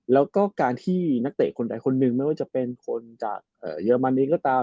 แล้วก็การที่นักเตะคนใดคนหนึ่งไม่ว่าจะเป็นคนจากเยอรมนีก็ตาม